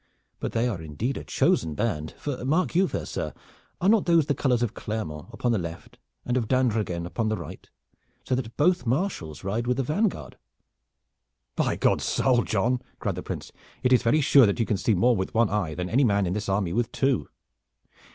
But they are indeed a chosen band, for mark you, fair sir, are not those the colors of Clermont upon the left, and of d'Andreghen upon the right, so that both marshals ride with the vanguard?" "By God's soul, John!" cried the Prince, "it is very sure that you can see more with one eye than any man in this army with two.